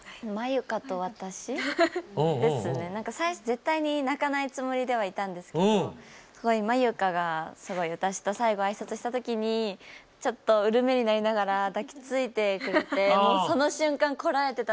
最初絶対に泣かないつもりではいたんですけどＭＡＹＵＫＡがすごい私と最後挨拶した時にちょっとうる目になりながら抱きついてくれてもうその瞬間こらえてた涙